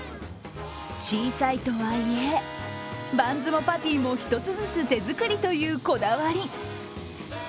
小さいとはいえ、バンズもパティも１つずつ手作りというこだわり。